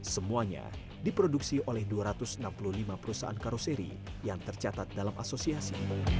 semuanya diproduksi oleh dua ratus enam puluh lima perusahaan karoseri yang tercatat dalam asosiasi